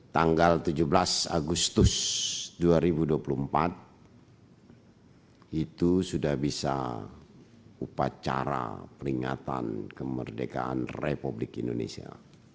tanggal tujuh belas agustus dua ribu dua puluh empat itu sudah bisa upacara peringatan kemerdekaan republik indonesia